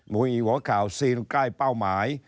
มุมหิวหัวข่าวซีลใกล้เป้าหมาย